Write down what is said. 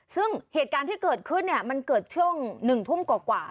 ซึ่งเหตุการณ์ที่เกิดขึ้นเนี่ยมันเกิดช่วง๑ทุ่มกว่า